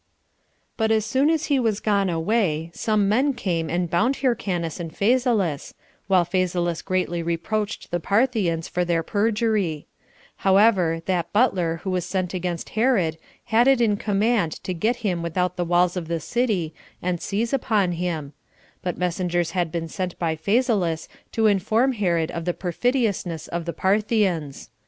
6. But as soon as he was gone away, some men came and bound Hyrcanus and Phasaelus, while Phasaelus greatly reproached the Parthians for their perjury; However, that butler who was sent against Herod had it in command to get him without the walls of the city, and seize upon him; but messengers had been sent by Phasaelus to inform Herod of the perfidiousness of the Parthians.